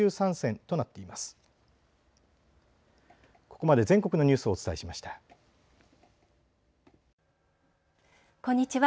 こんにちは。